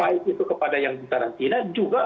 baik itu kepada yang di karantina